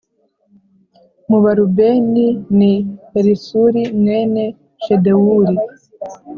mu Barubeni ni Elisuri mwene Shedewuri